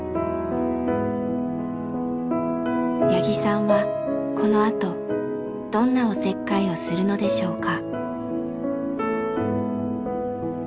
八木さんはこのあとどんなおせっかいをするのでしょうか？